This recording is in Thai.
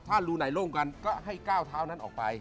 ถ้ารูไหนโล่งกันก็ให้ก้าวเท้านั้นออกไป